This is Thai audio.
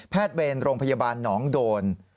แพทย์เวรโรงพยาบาลน้องโดน